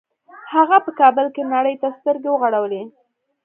هغه په کابل کې نړۍ ته سترګې وغړولې